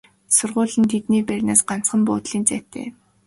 Сургууль нь тэдний байрнаас ганцхан буудлын зайтай.